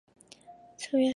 承元是日本的年号之一。